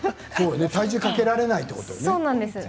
体重をかけられないということね。